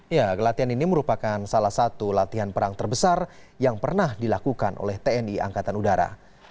ya latihan ini merupakan salah satu latihan perang terbesar yang pernah dilakukan oleh tni angkatan udara